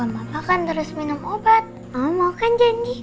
mama kan terus minum obat mama mau kan janji